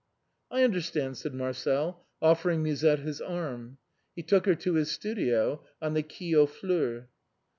I understand/' said Marcel, offering Musette his arm. He took her to his studio on the Quai aux Fleurs.